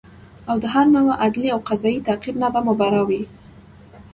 او د هر نوع عدلي او قضایي تعقیب نه به مبرا وي